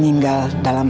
tidak ada apa apa